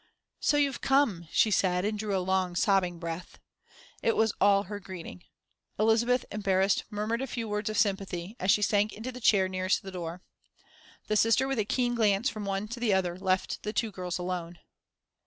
"So you've come," she said, and drew a long sobbing breath. It was all her greeting. Elizabeth, embarrassed, murmured a few words of sympathy, as she sank into the chair nearest the door. The Sister, with a keen glance from one to the other, left the two girls alone.